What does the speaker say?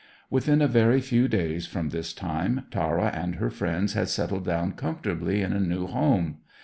Within a very few days from this time, Tara and her friends had settled down comfortably in a new home.